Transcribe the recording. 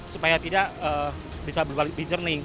supaya tidak bisa berbalik balik jernih